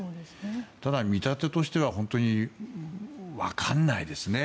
ただ、見立てとしては本当に分からないですね。